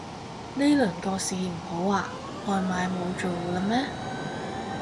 呢輪個市唔好啊？外賣冇做喇咩